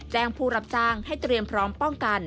ผู้รับจ้างให้เตรียมพร้อมป้องกัน